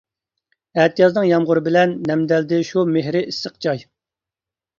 ئەتىيازنىڭ يامغۇرى بىلەن، نەمدەلدى شۇ مېھرى ئىسسىق جاي.